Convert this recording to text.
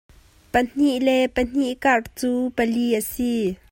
Pahnih le pahnih karh cu pali a si.